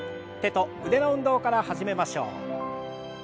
手と腕の運動から始めましょう。